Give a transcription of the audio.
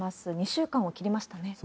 ２週間を切りましたね。